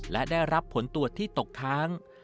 และได้รับผลตรวจที่ตกค้าง